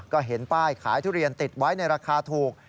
ก็เห็นป้ายขายทุเรียนติดไว้ในราคาถูก